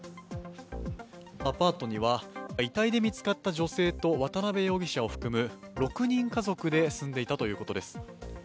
アパートには遺体で見つかった女性と渡辺容疑者を含む６人家族で住んでいたということです。